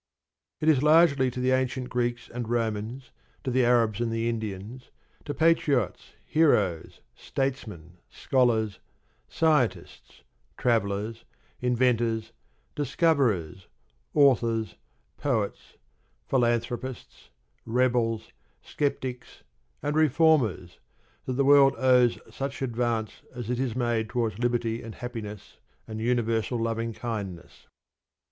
It is largely to the ancient Greeks and Romans, to the Arabs and the Indians, to patriots, heroes, statesmen, scholars, scientists, travellers, inventors, discoverers, authors, poets, philanthropists, rebels, sceptics, and reformers that the world owes such advance as it has made towards liberty and happiness and universal loving kindness.